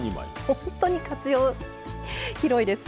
ほんとに活用広いです。